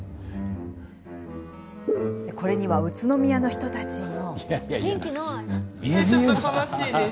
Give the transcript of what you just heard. これには宇都宮の人たちも。